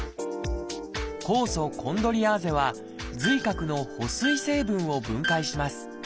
酵素コンドリアーゼは髄核の保水成分を分解します。